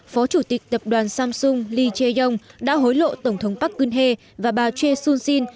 phó chủ tịch tập đoàn samsung lee jae yong đã hối lộ tổng thống park geun hye và bà choi soo jin